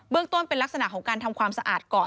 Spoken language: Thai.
ต้นเป็นลักษณะของการทำความสะอาดก่อน